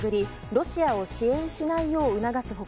ロシアを支援しないよう促す他